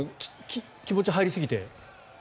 気持ちが入りすぎて？